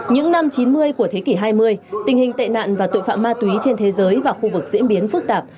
những năm chín mươi của thế kỷ hai mươi tình hình tệ nạn và tội phạm ma túy trên thế giới và khu vực diễn biến phức tạp